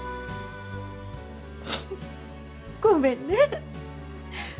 ごめんね。